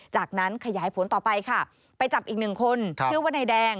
จากนั้นขยายผลต่อไปค่ะไปจับอีกหนึ่งคนชื่อว่านายแดง